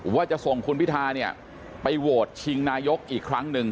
ว่าจะส่งคุณพิธาเนี่ยไปโหวตชิงนายกอีกครั้งหนึ่ง